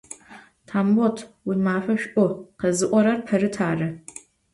Tambot, vuimafe ş'u, khezı'orer Perıt arı!